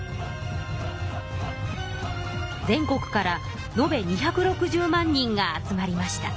全国からのべ２６０万人が集まりました。